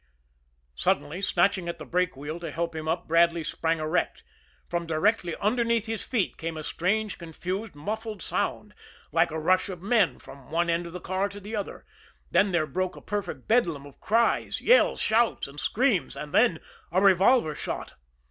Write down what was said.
Suddenly, snatching at the brake wheel to help him up, Bradley sprang erect. From directly underneath his feet came a strange, confused, muffled sound, like a rush of men from one end of the car to the other. Then there broke a perfect bedlam of cries, yells, shouts and screams and then a revolver shot.